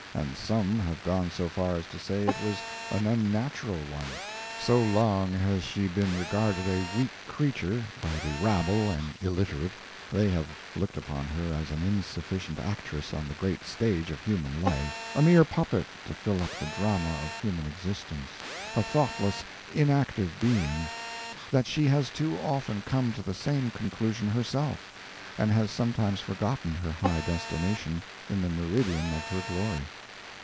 and some have gone so far as to say it was an unnatural one. So long has she been regarded a weak creature, by the rabble and illiterate they have looked upon her as an insufficient actress on the great stage of human life a mere puppet, to fill up the drama of human existence a thoughtless, inactive being that she has too often come to the same conclusion herself, and has sometimes forgotten her high destination, in the meridian of her glory.